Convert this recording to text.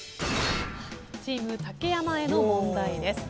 チーム竹山への問題です。